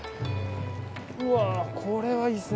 うわこれはいいですね。